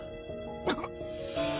あっ！